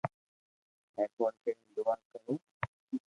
مھربوني ڪرين دعا ڪرو